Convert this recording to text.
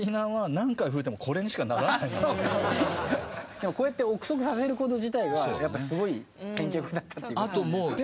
でもこうやって臆測させる事自体がやっぱすごい編曲だったっていう事なんじゃないですか。